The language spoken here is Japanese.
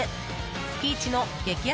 ピーチの激安